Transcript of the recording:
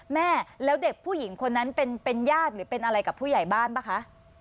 แม่แล้วเด็กผู้หญิงคนนั้นเป็นญาติหรือเป็นอะไรกับผู้ใหญ่บ้านป่ะคะ